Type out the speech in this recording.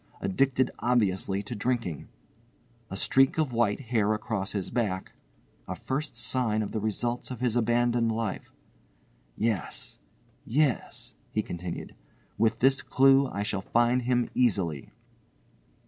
addicted obviously to drinking), a streak of white hair across his back (a first sign of the results of his abandoned life)—yes, yes," he continued, "with this clue I shall find him easily."